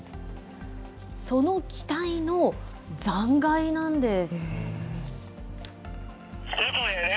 その機体の残骸なんです。